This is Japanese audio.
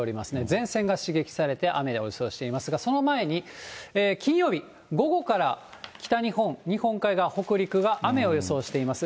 前線が刺激されて雨を予想していますが、その前に金曜日、午後から北日本、日本海側、北陸は雨を予想しています。